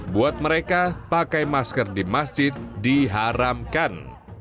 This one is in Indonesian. buat mereka pakai masker di masjid diharamkan